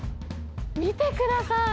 見てください。